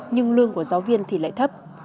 nhưng lương của giáo viên thì lại thấp